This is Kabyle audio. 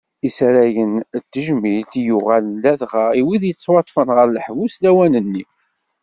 Isaragen d tejmilin i yuɣalen ladɣa i wid yettwaṭṭfen ɣer leḥbus lawan-nni.